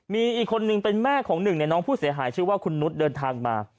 มีอีกคนนึงเป็นแม่ของหนึ่งในน้องผู้เสียหายชื่อว่าคุณนุษย์เดินทางมา